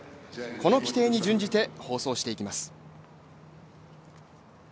この規定に準じて放送していきます。